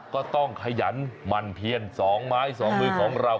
ก็ต้องขยันมันเพียนสองไม้สองมือของเรา